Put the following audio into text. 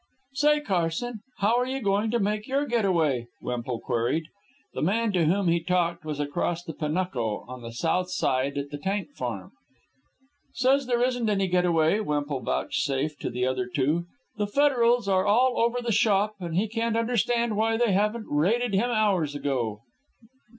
"Say, Carson, how are you going to make your get away?" Wemple queried. The man to whom he talked was across the Panuco, on the south side, at the tank farm. "Says there isn't any get away," Wemple vouchsafed to the other two. "The federals are all over the shop, and he can't understand why they haven't raided him hours ago."